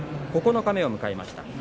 九日目を迎えました。